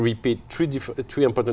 làm một tài năng